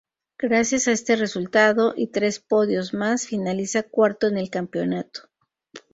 Gracias a este resultado y tres podios más finaliza cuarto en el campeonato.